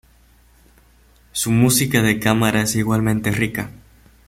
Su música de cámara es igualmente rica.